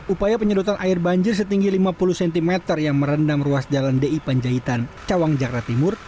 upaya penyedotan air banjir setinggi lima puluh cm yang merendam ruas jalan di panjaitan cawang jakarta timur